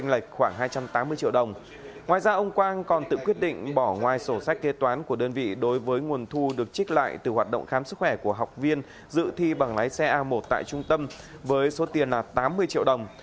ngoài ra ông quang còn tự quyết định bỏ ngoài sổ sách kế toán của đơn vị đối với nguồn thu được trích lại từ hoạt động khám sức khỏe của học viên dự thi bằng lái xe a một tại trung tâm với số tiền tám mươi triệu đồng